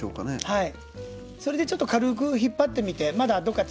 はい。